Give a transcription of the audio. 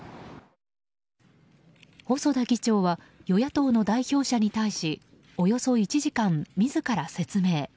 細田議長は与野党の代表者に対しおよそ１時間、自ら説明。